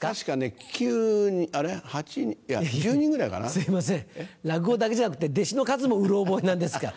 すいません落語だけじゃなくて弟子の数もうろ覚えなんですか。